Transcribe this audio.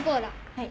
はい。